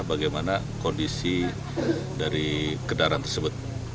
bagaimana kondisi dari kendaraan tersebut